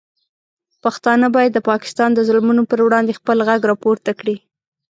پښتانه باید د پاکستان د ظلمونو پر وړاندې خپل غږ راپورته کړي.